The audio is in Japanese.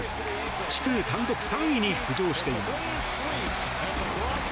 地区単独３位に浮上しています。